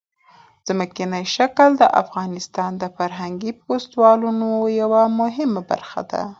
ځمکنی شکل د افغانستان د فرهنګي فستیوالونو یوه مهمه برخه ده.